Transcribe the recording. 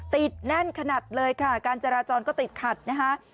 แน่นขนาดเลยค่ะการจราจรก็ติดขัดนะคะ